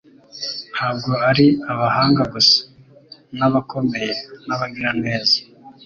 Ntabwo ari abahanga gusa n'abakomeye n'abagira neza,